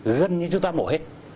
gần như chúng ta mổ hết